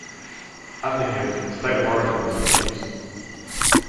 Under him State of Origin was introduced.